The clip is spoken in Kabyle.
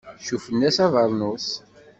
Cuffen-as abeṛnus.